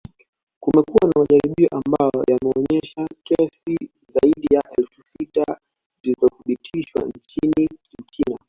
Kumekuwa na majaribio ambayo yameonyesha kesi zaidi ya elfu sita zilizothibitishwa nchini Uchina